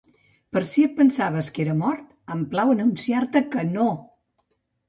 Per si pensaves que era mort, em plau anunciar-te que no!